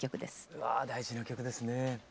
うわ大事な曲ですね。